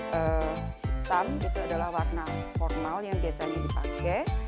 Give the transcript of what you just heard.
hitam itu adalah warna formal yang biasanya dipakai